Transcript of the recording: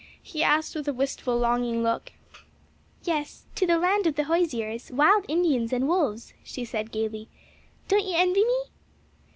he asked with a wistful, longing look. "Yes; to the land of the Hoosiers, wild Indians and wolves," she said gayly. "Don't you envy me?"